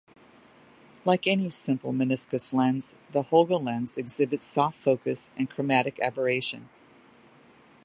Like any simple meniscus lens, the Holga lens exhibits soft focus and chromatic aberration.